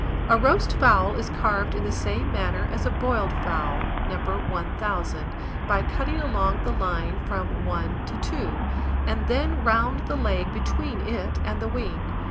A roast fowl is carved in the same manner as a boiled fowl, No. 1000; viz., by cutting along the line from. 1 to 2, and then round the leg between it and the wing.